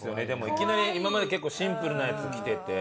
いきなり今まで結構シンプルなやつきてて。